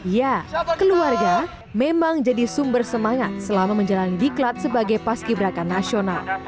ya keluarga memang jadi sumber semangat selama menjalani diklat sebagai paski beraka nasional